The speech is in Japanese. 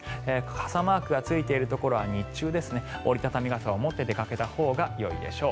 傘マークがついているところは日中、折り畳み傘を持って出かけたほうがよいでしょう。